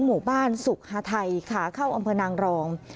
หมู่บ้านสุขฮาไทยขาเข้าอำเภอนางรอง